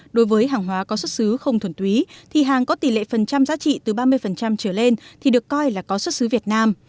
đối với hàng hóa có xuất xứ không thuần túy thì hàng có tỷ lệ phần trăm giá trị từ ba mươi trở lên thì được coi là có xuất xứ việt nam